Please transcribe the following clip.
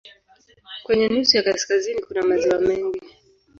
Kwenye nusu ya kaskazini kuna maziwa mengi.